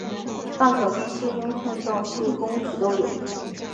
大小从数英寸到数公尺都有。